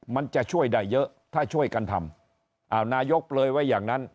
มันจะช่วยได้เยอะถ้าช่วยกันทำอ้าวนายกเปลยไว้อย่างนั้น